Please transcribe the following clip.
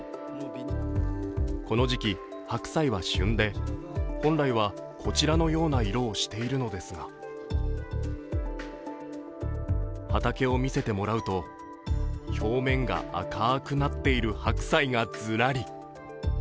この時期、白菜は旬で本来はこちらのような色をしているのですが、畑を見せてもらうと、表面が赤くなっている白菜がずらり。